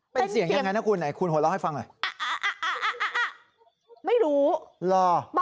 เป็นเสียงยังไงเนอะคุณไหนคุณหัวเราะ